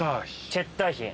チェッターヒン。